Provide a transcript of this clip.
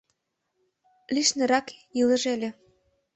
Лишнырак илыже ыле.